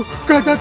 oh kalian mau mati